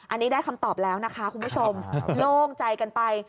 อันนี้ได้คำตอบแล้วนะคะคุณผู้ชมโล่งใจกันไป